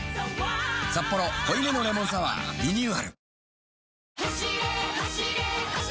「サッポロ濃いめのレモンサワー」リニューアル